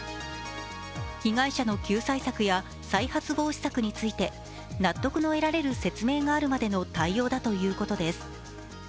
被害者の救済策や再発防止策について納得の得られる説明があるまでの対応だということです。